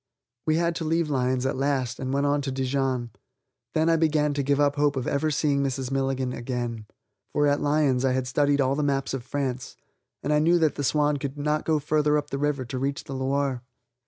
We had to leave Lyons at last and went on to Dijon; then I began to give up hope of ever seeing Mrs. Milligan again, for at Lyons I had studied all the maps of France, and I knew that the Swan could not go farther up the river to reach the Loire.